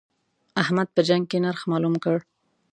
احمد په جنګ کې نرخ مالوم کړ.